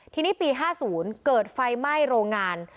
ทีนี้ปี๕๐เกิดไฟไหม้โรงงาน